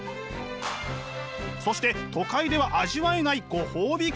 そして都会では味わえないご褒美企画も。